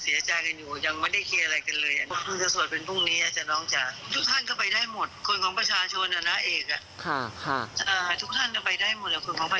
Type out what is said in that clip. ซึ่งแน่นอนความสูญเสียครั้งนี้เนี่ยณับเป็นความสูญเสียครั้งใหญ่ของวงการบนเทิงเหมือนกันนะคะ